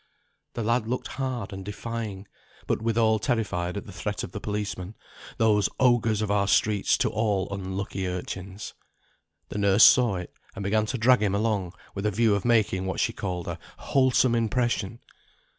The lad looked hard and defying; but withal terrified at the threat of the policeman, those ogres of our streets to all unlucky urchins. The nurse saw it, and began to drag him along, with a view of making what she called "a wholesome impression."